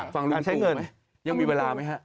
ฟังลุงตู่ยังมีเวลาไหมฮะ